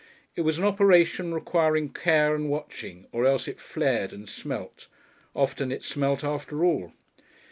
It was an operation requiring care and watching, or else it flared and "smelt." Often it smelt after all.